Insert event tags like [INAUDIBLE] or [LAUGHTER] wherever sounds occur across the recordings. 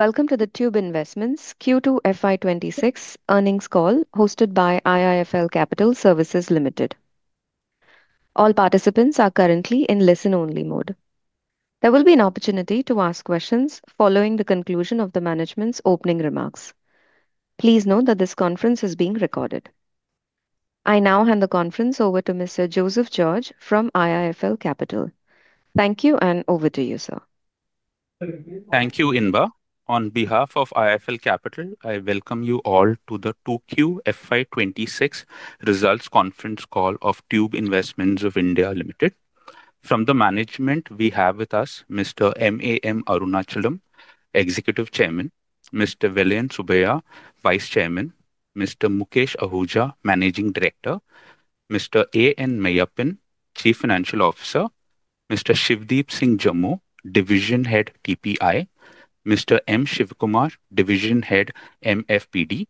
Welcome to the Tube Investments Q2 FY 2026 earnings call hosted by IIFL Capital Services Limited. All participants are currently in listen-only mode. There will be an opportunity to ask questions following the conclusion of the management's opening remarks. Please note that this conference is being recorded. I now hand the conference over to Mr. Joseph George from IIFL Capital. Thank you, and over to you, sir. Thank you, Inba. On behalf of IIFL Capital, I welcome you all to the 2Q FY 2026 results conference call of Tube Investments of India Limited. From the management, we have with us Mr. M. A. M. Arunachalam, Executive Chairman, Mr. Vellayan Subbiah, Vice Chairman, Mr. Mukesh Ahuja, Managing Director, Mr. A. N. Meyyappan, Chief Financial Officer, Mr. Shivdeep Singh Jammu, Division Head TPI, Mr. M. Shivakumar, Division Head MFPD,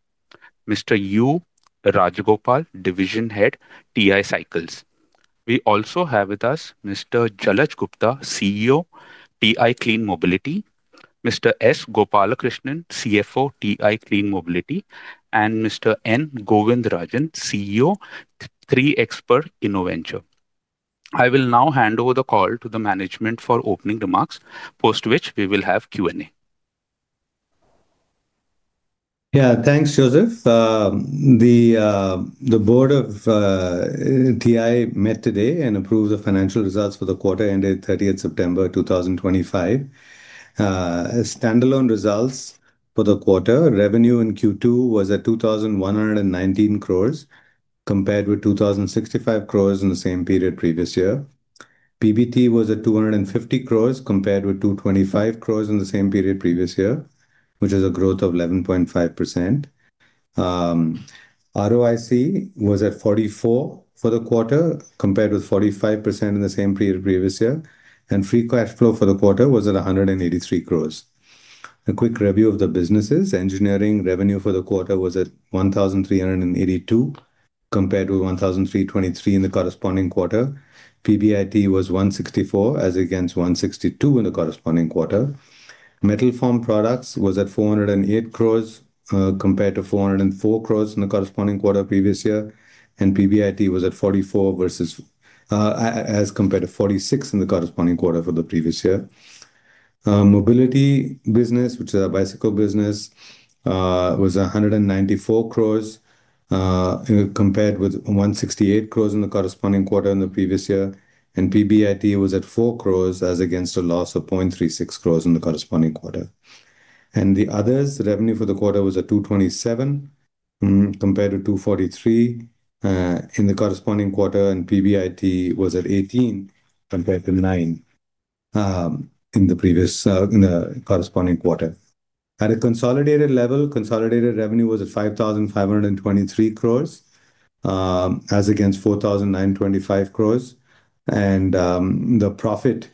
and Mr. U. Rajagopal, Division Head TI Cycles. We also have with us Mr. Jalaj Gupta, CEO TI Clean Mobility, Mr. S. Gopalakrishnan, CFO TI Clean Mobility, and Mr. N. Govindrajan, CEO Triyom Innoventure. I will now hand over the call to the management for opening remarks, post which we will have Q&A. Yeah, thanks, Joseph. The Board of TI met today and approved the financial results for the quarter ended 30 September 2025. Standalone results for the quarter revenue in Q2 was at 2,119 crores compared with 2,065 crores in the same period previous year. EBIT was at 250 crores compared with 225 crores in the same period previous year, which is a growth of 11.5%. ROIC was at 44% for the quarter compared with 45% in the same period previous year, and free cash flow for the quarter was at 183 crores. A quick review of the businesses: engineering revenue for the quarter was at 1,382 crores compared with 1,323 crores in the corresponding quarter. EBIT was INR 164 crores, as against 162 crores in the corresponding quarter. Metal formed products was at 408 crores compared to 404 crores in the corresponding quarter previous year, and EBIT was at 44 crores versus. As compared to 46 in the corresponding quarter for the previous year. Mobility business, which is a bicycle business, was 194 crores compared with 168 crores in the corresponding quarter in the previous year, and EBIT was at 4 crores as against a loss of 0.36 crores in the corresponding quarter. The others, revenue for the quarter was at 227 crores compared to 243 crores in the corresponding quarter, and EBIT was at 18 crores compared to 9 crores in the corresponding quarter. At a consolidated level, consolidated revenue was at 5,523 crores as against 4,925 crores, and the profit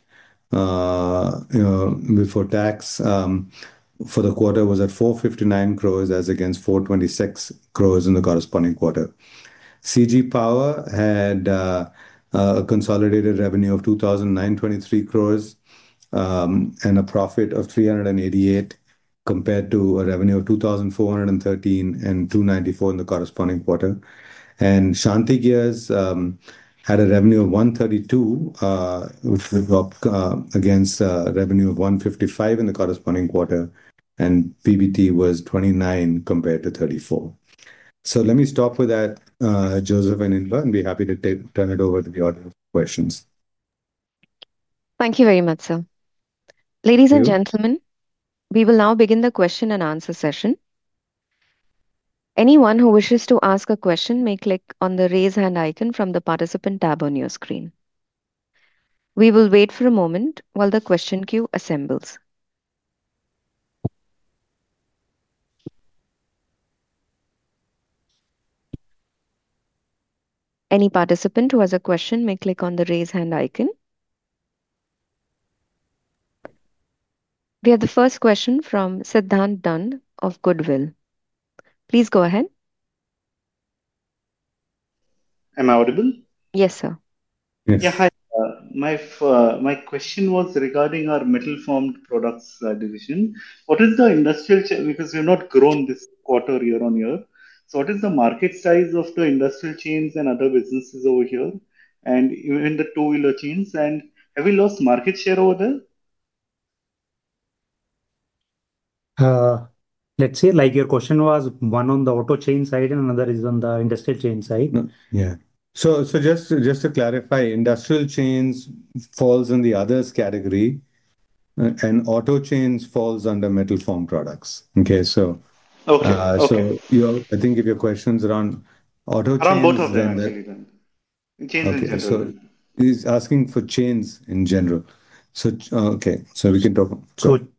before tax for the quarter was at 459 crores as against 426 crores in the corresponding quarter. CG Power had a consolidated revenue of 2,923 crores and a profit of 388 crores compared to a revenue of 2,413 crores and 294 crores in the corresponding quarter. Shanthi Gears. Had a revenue of 132 crore, which was up against a revenue of 155 crore in the corresponding quarter, and EBIT was 29 crore compared to 34 crore. Let me stop with that, Joseph, [AUDIO DISTORTION] and be happy to turn it over to the audience for questions. Thank you very much, sir. Ladies and gentlemen, we will now begin the question and answer session. Anyone who wishes to ask a question may click on the raise hand icon from the participant tab on your screen. We will wait for a moment while the question queue assembles. Any participant who has a question may click on the raise hand icon. We have the first question from Siddhant Dand of Goodwill. Please go ahead. Am I audible? Yes, sir. Yes. My question was regarding our metal formed products division. What is the industrial chain? Because we have not grown this quarter year-on-year. What is the market size of the industrial chains and other businesses over here? Even the two-wheeler chains, and have we lost market share over there? Let's say, like your question was one on the auto chain side and another is on the industrial chain side. Yeah. Just to clarify, industrial chains falls in the others category. And auto chains falls under metal form products. Okay, so. Okay. I think if your question's around auto chains. Around both of them. Okay, so he's asking for chains in general. Okay, so we can talk.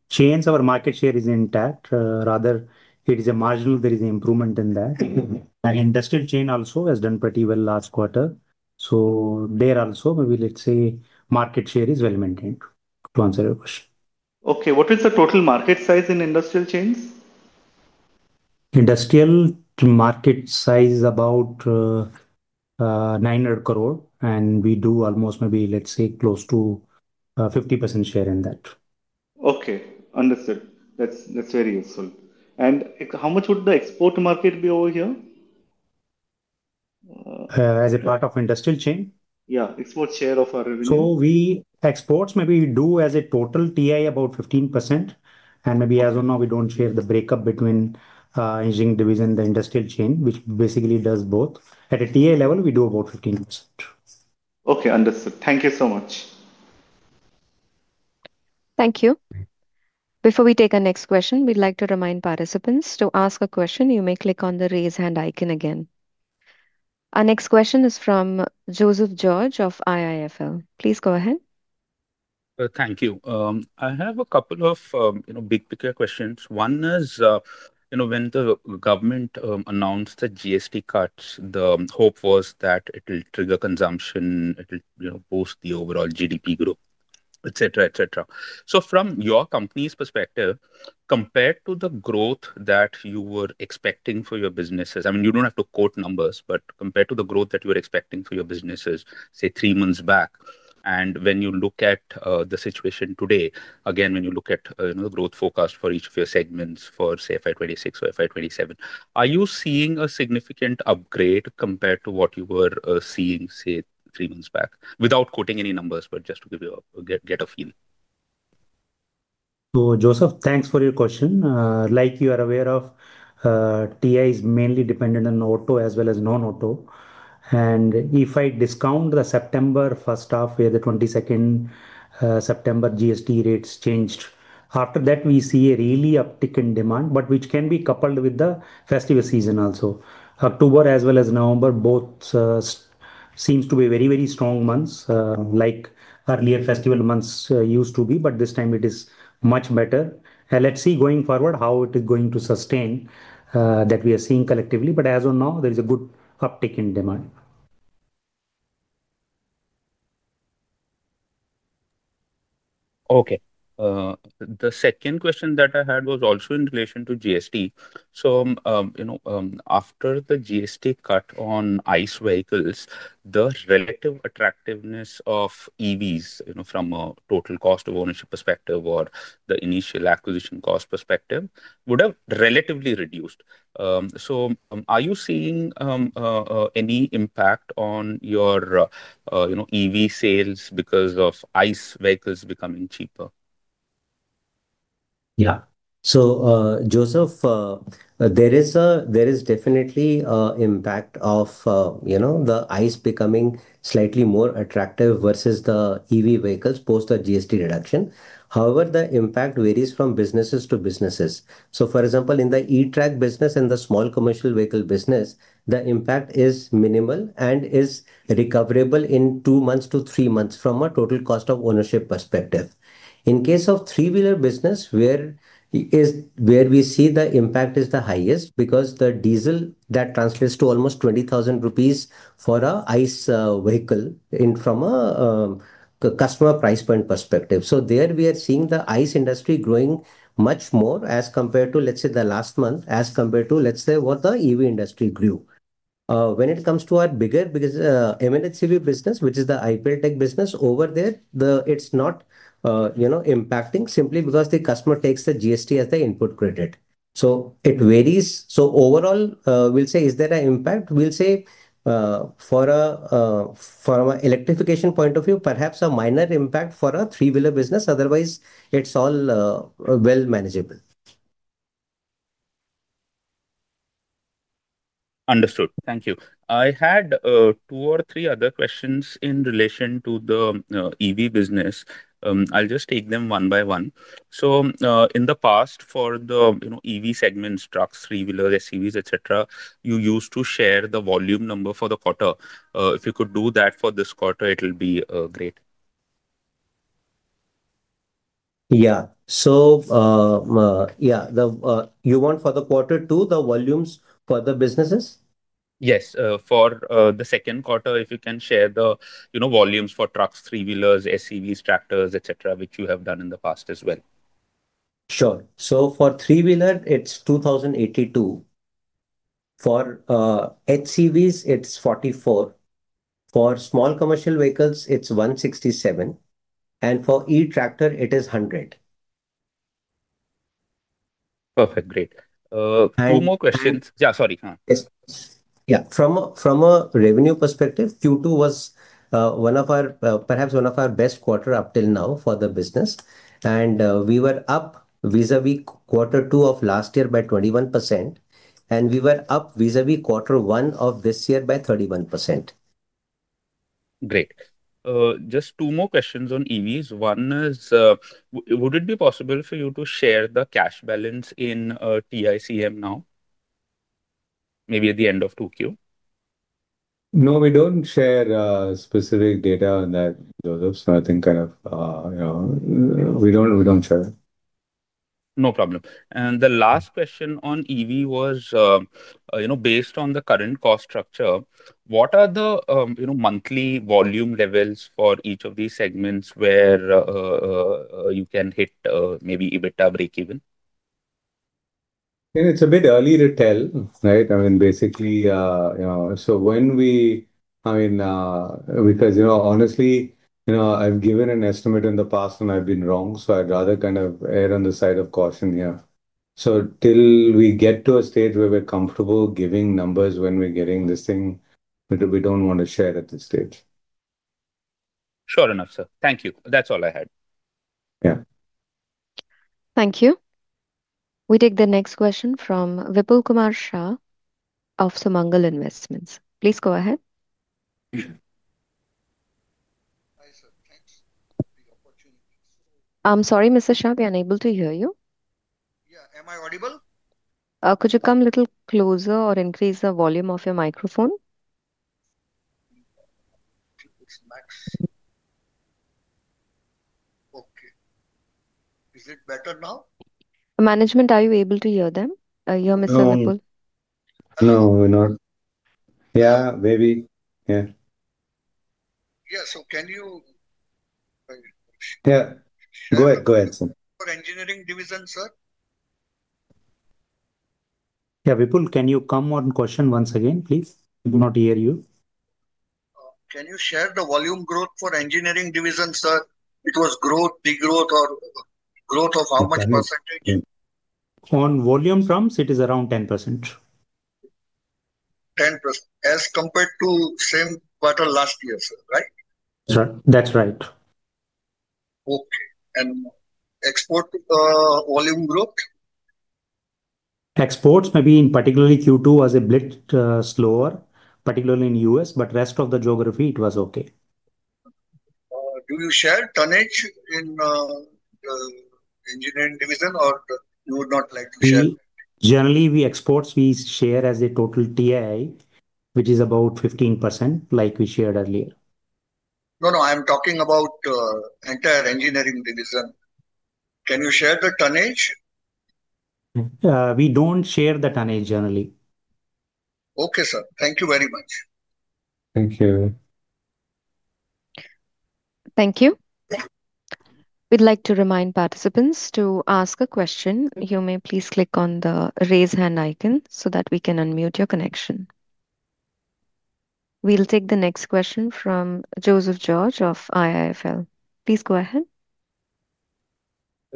Chains, our market share is intact. Rather, it is a marginal, there is an improvement in that. And industrial chain also has done pretty well last quarter. There also, maybe, let's say, market share is well maintained to answer your question. Okay, what is the total market size in industrial chains? Industrial market size is about 900 crore, and we do almost maybe let's say close to 50% share in that. Okay, understood. That's very useful. How much would the export market be over here? As a part of industrial chain? Yeah, export share of our revenue. We exports maybe do as a total TI about 15%, and maybe as of now we don't share the breakup between engineering division and the industrial chain, which basically does both. At a TI level, we do about 15%. Okay, understood. Thank you so much. Thank you. Before we take our next question, we'd like to remind participants to ask a question. You may click on the raise hand icon again. Our next question is from Joseph George of IIFL. Please go ahead. Thank you. I have a couple of big picture questions. One is, when the government announced the GST cuts, the hope was that it will trigger consumption, it will boost the overall GDP growth, etc., etc. From your company's perspective, compared to the growth that you were expecting for your businesses, I mean, you don't have to quote numbers, but compared to the growth that you were expecting for your businesses, say three months back, and when you look at the situation today, again, when you look at the growth forecast for each of your segments for, say, FY 2026 or FY 2027, are you seeing a significant upgrade compared to what you were seeing, say, three months back? Without quoting any numbers, but just to give you a get a feel. Joseph, thanks for your question. Like you are aware of, TI is mainly dependent on auto as well as non-auto. If I discount the September first half, where the 22nd September GST rates changed, after that we see a real uptick in demand, which can be coupled with the festival season also. October as well as November, both seem to be very, very strong months, like earlier festival months used to be, but this time it is much better. Let's see going forward how it is going to sustain. That we are seeing collectively, but as of now, there is a good uptick in demand. Okay. The second question that I had was also in relation to GST. After the GST cut on ICE vehicles, the relative attractiveness of EVs from a total cost of ownership perspective or the initial acquisition cost perspective would have relatively reduced. Are you seeing any impact on your EV sales because of ICE vehicles becoming cheaper? Yeah, so Joseph. There is definitely an impact of the ICE becoming slightly more attractive versus the EV vehicles post the GST reduction. However, the impact varies from businesses to businesses. For example, in the e-tractor business and the small commercial vehicle business, the impact is minimal and is recoverable in two to three months from a total cost of ownership perspective. In the case of the three-wheeler business, where we see the impact is the highest because the diesel that translates to almost 20,000 rupees for an ICE vehicle from a customer price point perspective. There we are seeing the ICE industry growing much more as compared to, let's say, the last month, as compared to, let's say, what the EV industry grew. When it comes to our bigger M&HCV business, which is the IPL tech business, over there, it's not. Impacting simply because the customer takes the GST as the input credit. So it varies. Overall, we'll say, is there an impact? We'll say. From an electrification point of view, perhaps a minor impact for a three-wheeler business. Otherwise, it's all well manageable. Understood. Thank you. I had two or three other questions in relation to the EV business. I'll just take them one by one. In the past, for the EV segments, trucks, three-wheelers, SUVs, etc., you used to share the volume number for the quarter. If you could do that for this quarter, it will be great. Yeah, so. Yeah, you want for the quarter two, the volumes for the businesses? Yes, for the second quarter, if you can share the volumes for trucks, three-wheelers, SUVs, tractors, etc., which you have done in the past as well. Sure. For three-wheeler, it is 2,082. For HCVs, it is 44. For small commercial vehicles, it is 167. For e-tractor, it is 100. Perfect. Great. Two more questions. Yeah, sorry. Yeah, from a revenue perspective, Q2 was. One of our, perhaps one of our best quarters up till now for the business. We were up vis-à-vis quarter two of last year by 21%. We were up vis-à-vis quarter one of this year by 31%. Great. Just two more questions on EVs. One is. Would it be possible for you to share the cash balance in TICM now? Maybe at the end of 2Q. No, we don't share specific data on that, Joseph. I think kind of. We don't share it. No problem. The last question on EV was, based on the current cost structure, what are the monthly volume levels for each of these segments where you can hit maybe EBITDA breakeven? It's a bit early to tell, right? I mean, basically, when we, I mean, because honestly, I've given an estimate in the past and I've been wrong, so I'd rather kind of err on the side of caution here. Till we get to a stage where we're comfortable giving numbers, when we're getting this thing, we don't want to share at this stage. Sure enough, sir. Thank you. That's all I had. Yeah. Thank you. We take the next question from Vipulkumar Shah of Sumangal Investments. Please go ahead. Hi, sir. Thanks for the opportunity. I'm sorry, Mr. Shah, we are unable to hear you. Yeah, am I audible? Could you come a little closer or increase the volume of your microphone? Okay. Is it better now? Management, are you able to hear them? You're Mr. Vipulkumar. No, we're not. Yeah, maybe. Yeah. Yeah, so can you. Yeah. Go ahead, go ahead, sir. For engineering division, sir? Yeah, Vipulkumar, can you come one question once again, please? We did not hear you. Can you share the volume growth for engineering division, sir? It was growth, the growth or growth of how much percent? On volume terms, it is around 10%. 10% as compared to same quarter last year, sir, right? Sir, that's right. Okay. Export volume growth? Exports maybe in particularly Q2 was a bit slower, particularly in the U.S., but rest of the geography, it was okay. Do you share tonnage in engineering division or you would not like to share? Generally, we export, we share as a total TI, which is about 15% like we shared earlier. No, no, I'm talking about enter engineering division. Can you share the tonnage? We don't share the tonnage generally. Okay, sir. Thank you very much. Thank you. Thank you. We'd like to remind participants to ask a question. You may please click on the raise hand icon so that we can unmute your connection. We'll take the next question from Joseph George of IIFL. Please go ahead.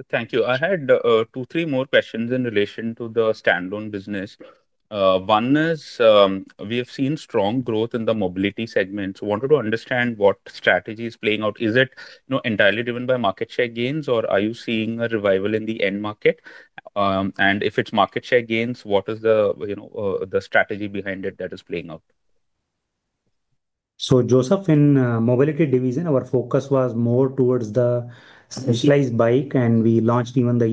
Thank you. I had two, three more questions in relation to the standalone business. One is we have seen strong growth in the mobility segment. I wanted to understand what strategy is playing out. Is it entirely driven by market share gains or are you seeing a revival in the end market? If it's market share gains, what is the strategy behind it that is playing out? Joseph, in mobility division, our focus was more towards the specialized bike, and we launched even the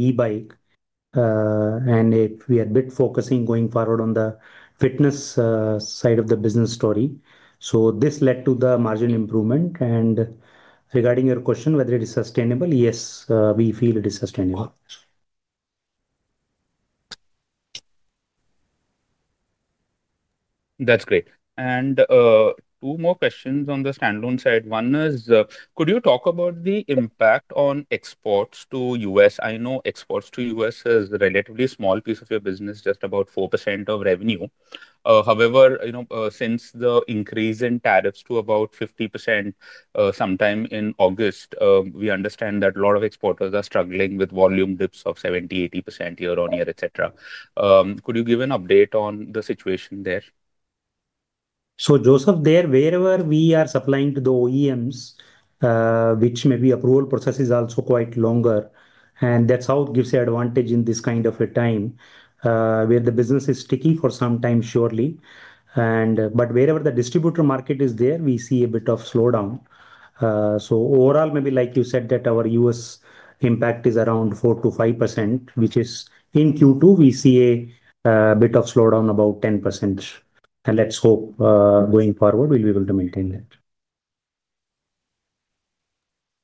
e-bike. We are a bit focusing going forward on the fitness side of the business story. This led to the margin improvement. Regarding your question, whether it is sustainable, yes, we feel it is sustainable. That's great. Two more questions on the standalone side. One is, could you talk about the impact on exports to the U.S.? I know exports to the U.S. is a relatively small piece of your business, just about 4% of revenue. However, since the increase in tariffs to about 50% sometime in August, we understand that a lot of exporters are struggling with volume dips of 70%-80% year-on-year, etc. Could you give an update on the situation there? Joseph, there, wherever we are supplying to the OEMs, which maybe approval process is also quite longer. That is how it gives an advantage in this kind of a time, where the business is sticky for some time, surely. Wherever the distributor market is there, we see a bit of slowdown. Overall, maybe like you said, our US impact is around 4%-5%, which is in Q2, we see a bit of slowdown about 10%. Let's hope going forward we will be able to maintain that.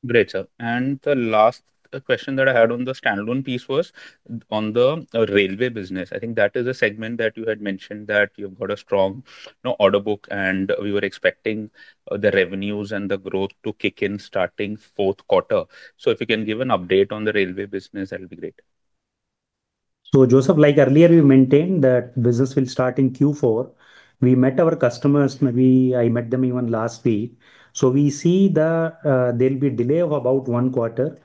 Great, sir. The last question that I had on the standalone piece was on the railway business. I think that is a segment that you had mentioned that you've got a strong order book, and we were expecting the revenues and the growth to kick in starting fourth quarter. If you can give an update on the railway business, that would be great. Joseph, like earlier, we maintained that business will start in Q4. We met our customers, maybe I met them even last week. We see there will be a delay of about one quarter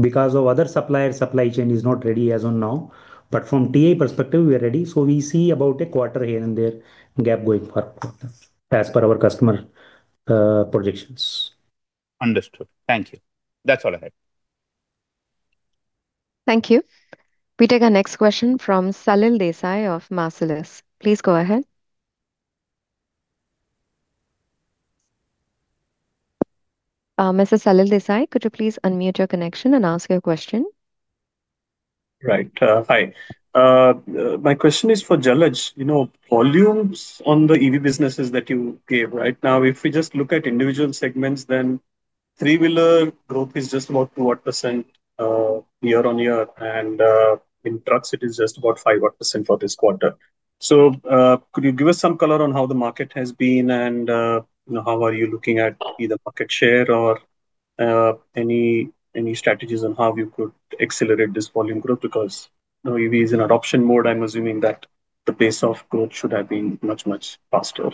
because other suppliers' supply chain is not ready as of now. From TI perspective, we are ready. We see about a quarter here and there gap going forward as per our customer projections. Understood. Thank you. That's all I had. Thank you. We take our next question from Salil Desai of Marcellus. Please go ahead. Mr. Salil Desai, could you please unmute your connection and ask your question? Right. Hi. My question is for Jalaj. Volumes on the EV businesses that you gave, right? Now, if we just look at individual segments, then three-wheeler growth is just about 2% year-on-year. And in trucks, it is just about 5% for this quarter. So could you give us some color on how the market has been and how are you looking at either market share or any strategies on how you could accelerate this volume growth? Because EV is in adoption mode, I'm assuming that the pace of growth should have been much, much faster.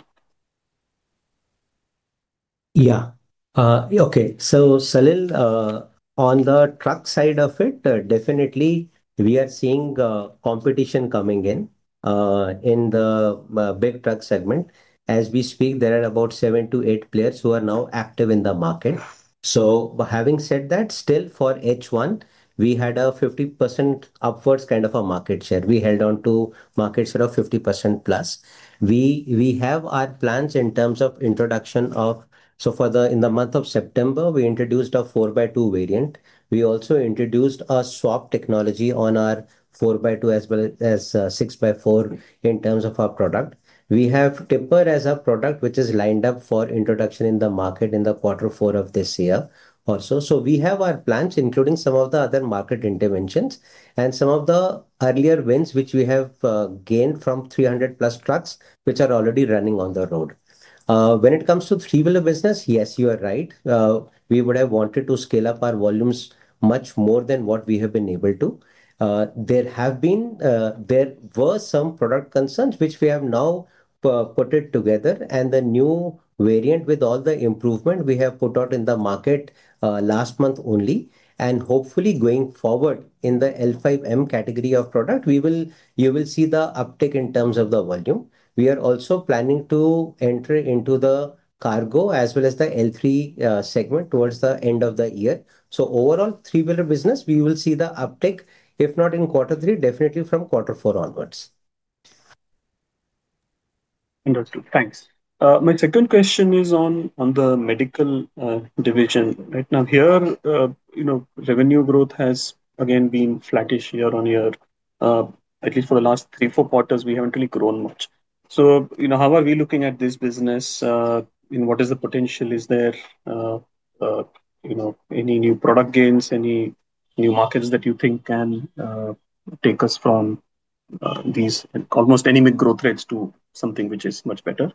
Yeah. Okay. So Salil, on the truck side of it, definitely we are seeing competition coming in. In the big truck segment. As we speak, there are about seven to eight players who are now active in the market. Having said that, still for H1, we had a 50% upwards kind of a market share. We held on to market share of 50%+. We have our plans in terms of introduction of, so for the month of September, we introduced a 4x2 variant. We also introduced a swap technology on our 4x2 as well as 6x4 in terms of our product. We have Timber as a product which is lined up for introduction in the market in the quarter four of this year also. We have our plans, including some of the other market interventions and some of the earlier wins, which we have gained from 300 plus trucks, which are already running on the road. When it comes to three-wheeler business, yes, you are right. We would have wanted to scale up our volumes much more than what we have been able to. There have been some product concerns, which we have now put together. The new variant with all the improvement we have put out in the market last month only. Hopefully, going forward in the L5M category of product, you will see the uptick in terms of the volume. We are also planning to enter into the cargo as well as the L3 segment towards the end of the year. Overall, three-wheeler business, we will see the uptick, if not in quarter three, definitely from quarter four onwards. Understood. Thanks. My second question is on the medical division. Right now here, revenue growth has again been flattish year on year. At least for the last three, four quarters, we haven't really grown much. How are we looking at this business? What is the potential? Is there any new product gains, any new markets that you think can take us from these almost endemic growth rates to something which is much better?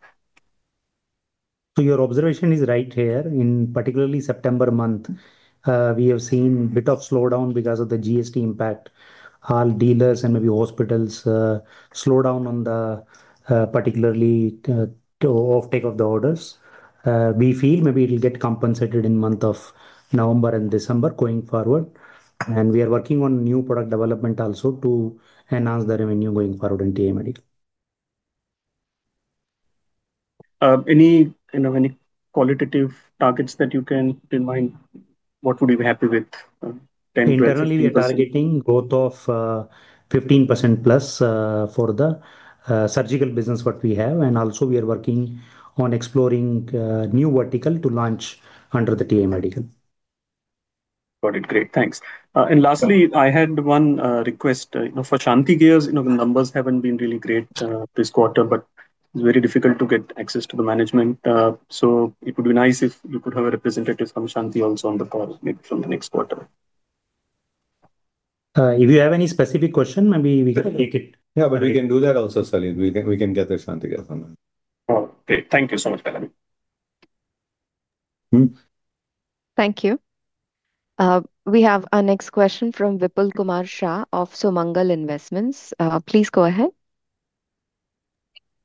Your observation is right here. In particularly September month, we have seen a bit of slowdown because of the GST impact. All dealers and maybe hospitals slow down on the, particularly, offtake of the orders. We feel maybe it'll get compensated in the month of November and December going forward. We are working on new product development also to enhance the revenue going forward in TI Medical. Any qualitative targets that you can put in mind? What would you be happy with? Currently, we are targeting growth of 15%+ for the surgical business, what we have. Also, we are working on exploring a new vertical to launch under the TI Medical. Got it. Great. Thanks. Lastly, I had one request. For Shanthi Gears, the numbers have not been really great this quarter, but it is very difficult to get access to the management. It would be nice if you could have a representative from Shanthi also on the call, maybe from the next quarter. If you have any specific question, maybe we can take it. Yeah, we can do that also, Salil. We can get the Shanthi Gears on that. Okay. Thank you so much, Madam. Thank you. We have our next question from Vipulkumar Shah of Sumangal Investments. Please go ahead.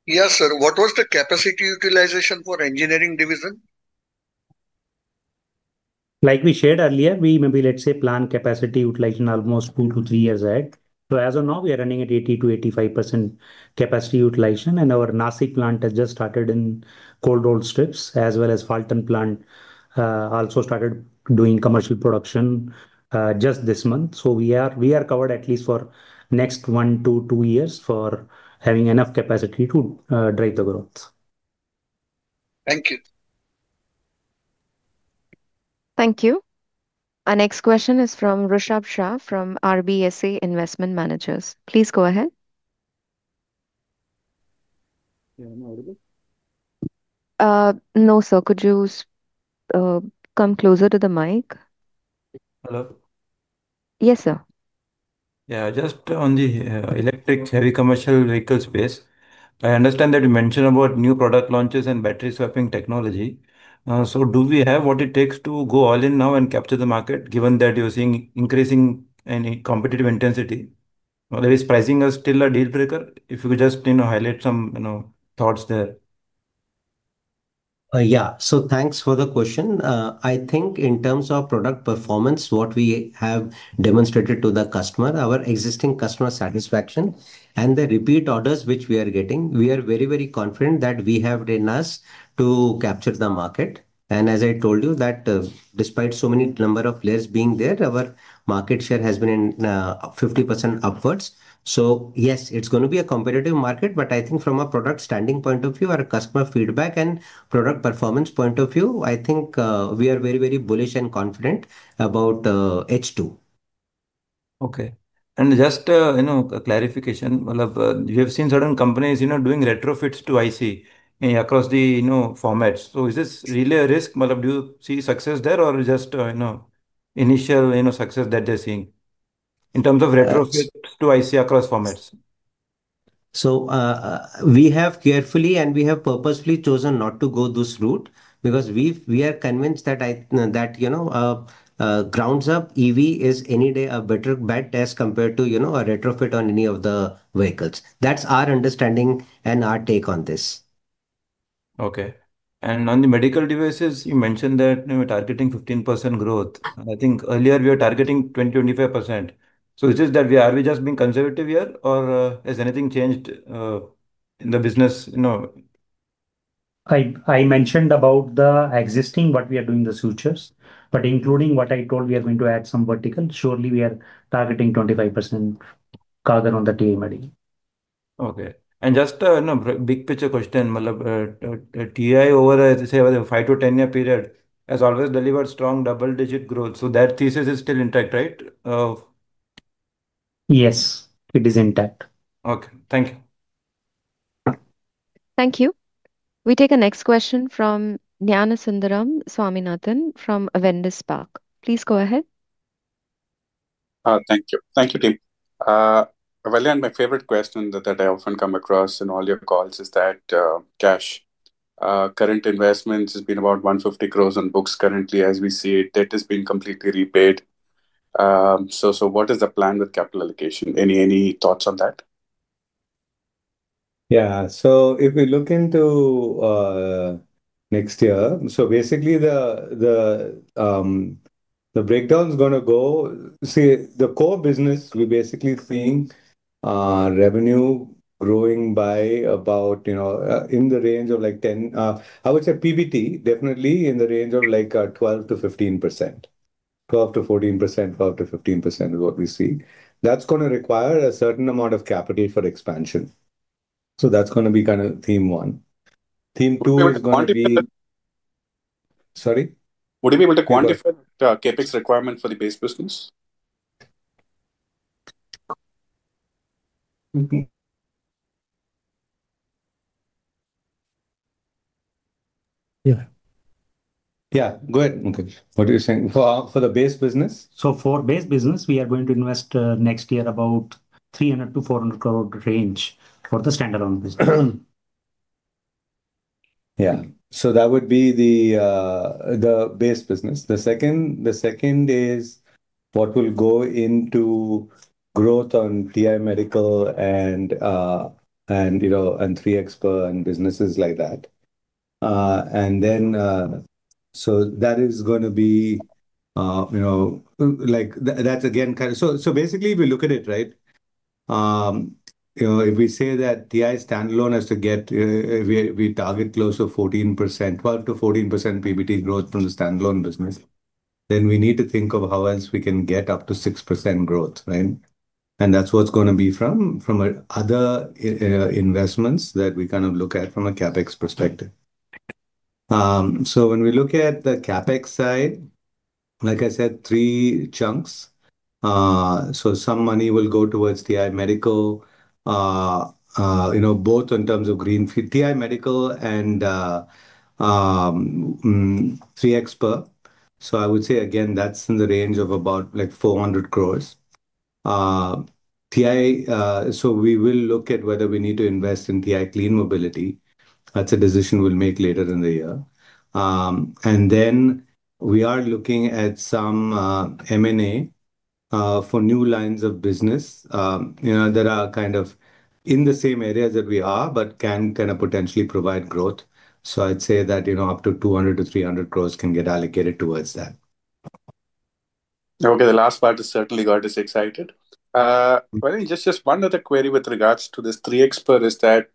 Yes, sir. What was the capacity utilization for engineering division? Like we shared earlier, we maybe, let's say, plan capacity utilization almost two to three years ahead. As of now, we are running at 80%-85% capacity utilization. Our Nashik plant has just started in cold rolled strips, as well as the Phaltan plant also started doing commercial production just this month. We are covered at least for the next one to two years for having enough capacity to drive the growth. Thank you. Thank you. Our next question is from Rushabh Shah from RBSA Investment Managers. Please go ahead. No, sir. Could you come closer to the mic? Hello? Yes, sir. Yeah, just on the electric heavy commercial vehicle space, I understand that you mentioned about new product launches and battery swapping technology. Do we have what it takes to go all in now and capture the market, given that you're seeing increasing competitive intensity? Is pricing still a deal breaker? If you could just highlight some thoughts there. Yeah, thanks for the question. I think in terms of product performance, what we have demonstrated to the customer, our existing customer satisfaction, and the repeat orders which we are getting, we are very, very confident that we have enough to capture the market. As I told you, that despite so many number of players being there, our market share has been in 50% upwards. Yes, it's going to be a competitive market, but I think from a product standing point of view, our customer feedback and product performance point of view, we are very, very bullish and confident about H2. Okay. Just a clarification, you have seen certain companies doing retrofits to IC across the formats. Is this really a risk? Do you see success there or just initial success that they're seeing in terms of retrofits to IC across formats? We have carefully and we have purposefully chosen not to go this route because we are convinced that, grounds up, EV is any day a better bet as compared to a retrofit on any of the vehicles. That's our understanding and our take on this. Okay. On the medical devices, you mentioned that we're targeting 15% growth. I think earlier we were targeting 20%-25%. Is it that we are just being conservative here or has anything changed in the business? I mentioned about the existing, what we are doing, the sutures, but including what I told, we are going to add some vertical. Surely we are targeting 25%. Cover on the TI Medical. Okay. Just a big picture question. TI over a 5-10 year period has always delivered strong double-digit growth. That thesis is still intact, right? Yes, it is intact. Okay. Thank you. Thank you. We take our next question from Vijayaraghavan Swaminathan from Avendus Park. Please go ahead. Thank you. Thank you, team. [AUDIO DISTORTION] and my favorite question that I often come across in all your calls is that cash. Current investments have been about 150 crore on books currently, as we see it. That has been completely repaid. What is the plan with capital allocation? Any thoughts on that? Yeah. If we look into next year, so basically the breakdown is going to go, see, the core business, we're basically seeing revenue growing by about, in the range of like 10, I would say PBT definitely in the range of like 12%-15%. 12%-14%, 12%-15% is what we see. That's going to require a certain amount of capital for expansion. That's going to be kind of theme one. Theme two is going to be. Sorry? Would you be able to quantify CapEx requirement for the base business? Yeah. Yeah. Go ahead. Okay. What are you saying? For the base business? For base business, we are going to invest next year about 300 crore-400 crore range for the standalone business. Yeah. That would be the base business. The second is what will go into growth on TI Medical and Triyom and businesses like that. That is going to be, that's again kind of, so basically if we look at it, right, if we say that TI standalone has to get, we target close to 14%, 12%-14% PBT growth from the standalone business, then we need to think of how else we can get up to 6% growth, right? That's what's going to be from other investments that we kind of look at from a CapEx perspective. When we look at the CapEx side, like I said, three chunks. Some money will go towards TI Medical, both in terms of greenfield, TI Medical and Triyom. I would say, again, that's in the range of about INR 400 crore. We will look at whether we need to invest in TI Clean Mobility. That is a decision we will make later in the year. We are looking at some M&A for new lines of business that are kind of in the same areas that we are, but can kind of potentially provide growth. I would say that up to 200-300 crore can get allocated towards that. Okay. The last part is certainly got us excited. Just one other query with regards to this Triyom is that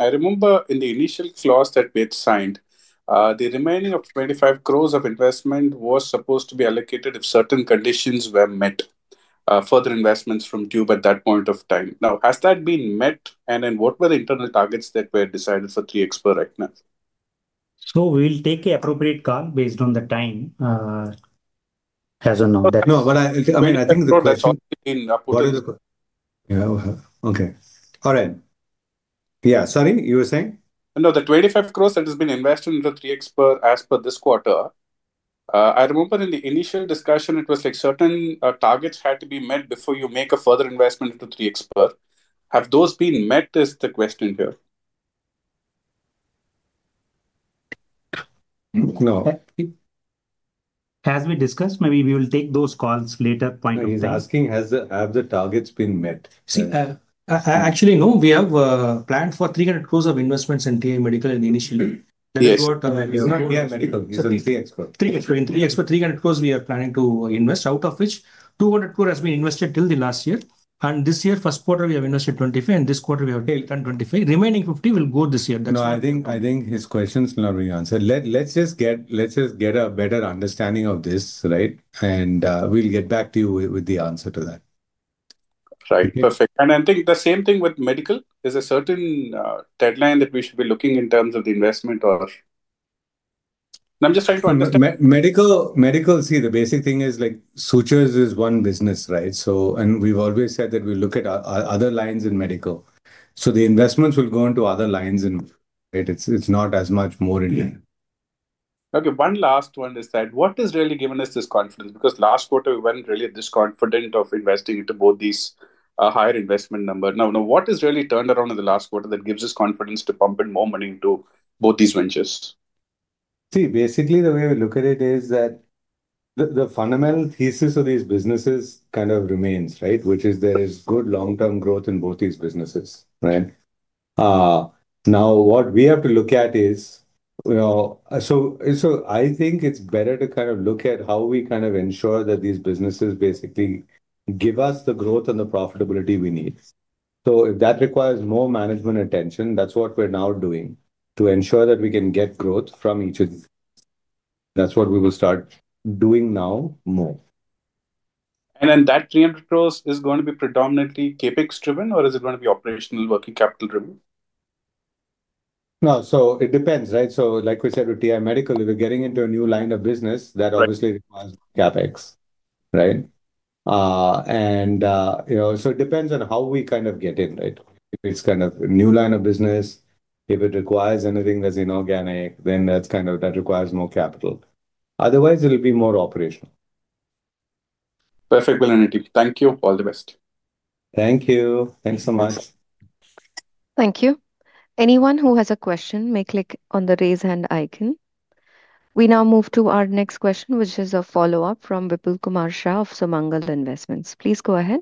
I remember in the initial clause that we had signed, the remaining of 25 crore of investment was supposed to be allocated if certain conditions were met. Further investments from Tube at that point of time. Now, has that been met? And then what were the internal targets that were decided for Triyom right now? We'll take an appropriate call based on the time as of now. No, I mean, I think the question is being up. Yeah. Okay. All right. Yeah. Sorry, you were saying? No, the 25 crore that has been invested into Triyom as per this quarter. I remember in the initial discussion, it was like certain targets had to be met before you make a further investment into Triyom. Have those been met is the question here. No. As we discussed, maybe we will take those calls at a later point of time. I'm asking, have the targets been met? See, actually, no. We have planned for 300 crore of investments in TI Medical initially. It's not TI Medical. It's Triyom. Triyom. In Triyom, INR 300 crores we are planning to invest, out of which 200 crores has been invested till the last year. This year, first quarter, we have invested 25 crores, and this quarter we have returned 25 crores. Remaining 50 crores will go this year. No, I think his question is not really answered. Let's just get a better understanding of this, right? And we'll get back to you with the answer to that. Right. Perfect. I think the same thing with medical. Is there a certain deadline that we should be looking in terms of the investment or? I'm just trying to understand. Medical, see, the basic thing is like sutures is one business, right? And we've always said that we look at other lines in medical. The investments will go into other lines in. It's not as much more in. Okay. One last one is that what has really given us this confidence? Because last quarter, we were not really this confident of investing into both these higher investment numbers. Now, what has really turned around in the last quarter that gives us confidence to pump in more money into both these ventures? See, basically, the way we look at it is that the fundamental thesis of these businesses kind of remains, right? Which is there is good long-term growth in both these businesses, right? Now, what we have to look at is, I think it's better to kind of look at how we kind of ensure that these businesses basically give us the growth and the profitability we need. If that requires more management attention, that's what we're now doing to ensure that we can get growth from each of these. That's what we will start doing now more. That 300 crores is going to be predominantly CapEx driven or is it going to be operational working capital driven? No. It depends, right? Like we said with TI Medical, if we're getting into a new line of business, that obviously requires more CapEx, right? It depends on how we kind of get in, right? If it's kind of a new line of business, if it requires anything that's inorganic, then that requires more capital. Otherwise, it'll be more operational. Perfect, Vellayan. Thank you. All the best. Thank you. Thanks so much. Thank you. Anyone who has a question may click on the raise hand icon. We now move to our next question, which is a follow-up from Vipulkumar Shah of Sumangal Investments. Please go ahead.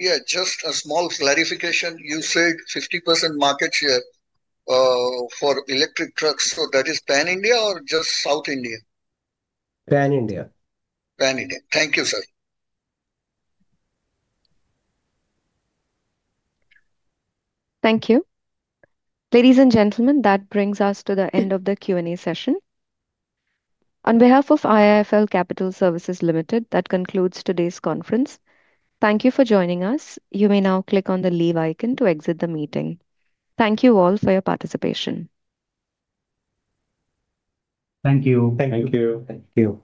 Yeah, just a small clarification. You said 50% market share. For electric trucks. So that is Pan India or just South India? Pan India. Pan India. Thank you, sir. Thank you. Ladies and gentlemen, that brings us to the end of the Q&A session. On behalf of IIFL Capital Services Limited, that concludes today's conference. Thank you for joining us. You may now click on the leave icon to exit the meeting. Thank you all for your participation. Thank you. Thank you. Thank you.